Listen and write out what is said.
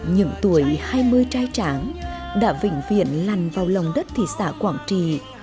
những tuổi hai mươi trai tráng đã vĩnh viện lằn vào lòng đất thị xã quảng trì